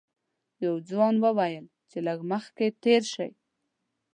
یوه ځوان وویل چې لږ مخکې تېر شئ.